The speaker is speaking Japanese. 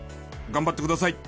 頑張ってください！